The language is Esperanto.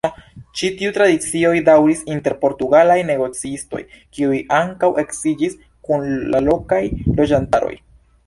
Ĉi tiu tradicio daŭris inter portugalaj negocistoj kiuj ankaŭ edziĝis kun la lokaj loĝantaroj.